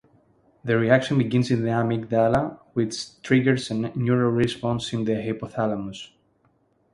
The reaction begins in the amygdala, which triggers a neural response in the hypothalamus.